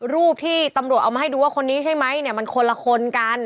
รูปที่ตำรวจเอามาให้ดูว่าคนนี้ใช่ไหมเนี่ยมันคนละคนกัน